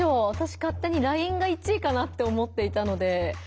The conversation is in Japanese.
わたし勝手にＬＩＮＥが１位かなって思っていたので。